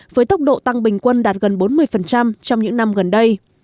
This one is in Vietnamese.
với tốc độ tăng bình quân đạt gần bốn mươi trong những năm gần đây